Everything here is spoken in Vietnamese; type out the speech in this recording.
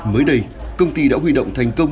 mới đây công ty đã huy động thành công